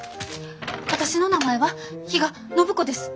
私の名前は比嘉暢子です。